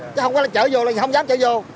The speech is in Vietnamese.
chứ không có lấy chở vô là không dám chở vô